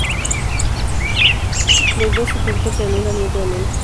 Los dos efectos se anulan mutuamente.